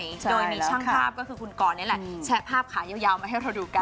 โดยมีช่างภาพก็คือคุณกรนี่แหละแชะภาพขายาวมาให้เราดูกัน